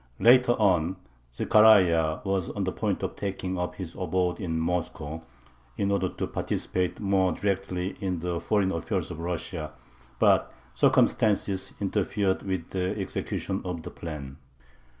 Later on Zechariah was on the point of taking up his abode in Moscow in order to participate more directly in the foreign affairs of Russia, but circumstances interfered with the execution of the plan.